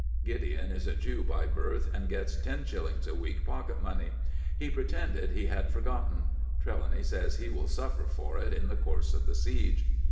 (Gideon is a Jew by birth, and gets ten shillings a week pocket money. He pretended he had forgotten. Trelawny says he will suffer for it in the course of the siege.)